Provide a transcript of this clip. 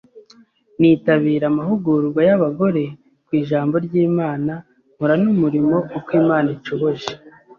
nitabira amahugurwa y’abagore ku ijambo ry’Imana nkora n’umurimo uko Imana inshoboje.